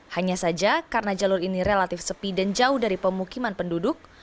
hanya saja karena jalur ini relatif sepi dan jauh dari pemukiman penduduk